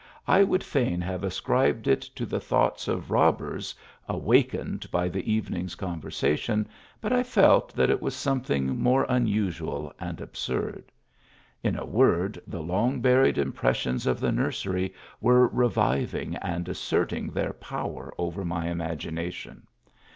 I would fain have ascribed it to the thoughts of robbers, awakened by the evening s conversation, out I felt that it was something more unusual and THE AUTHOR S CHAMBER. 63 absurd. In a word, the long buried impressions of the nursery were reviving and asserting their power over my imagination.